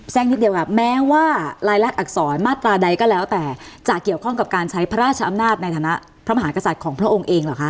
นิดเดียวค่ะแม้ว่ารายลักษณอักษรมาตราใดก็แล้วแต่จะเกี่ยวข้องกับการใช้พระราชอำนาจในฐานะพระมหากษัตริย์ของพระองค์เองเหรอคะ